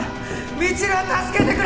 未知留は助けてくれ！